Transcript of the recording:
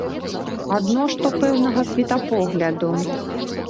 Адно што пэўнага светапогляду.